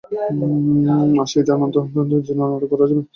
আসছে ঈদে অন্তত দুই ডজন নাটকে দেখা যাবে তাঁকে।